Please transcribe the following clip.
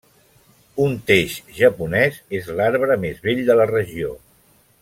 Un teix japonès és l'arbre més vell de la regió.